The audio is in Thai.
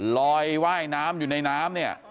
ลอยว่ายน้ำอยู่ในน้ำ